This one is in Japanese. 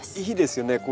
いいですよね。